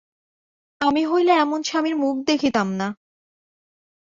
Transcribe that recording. আমি হইলে এমন স্বামীর মুখ দেখিতাম না।